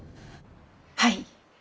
はい。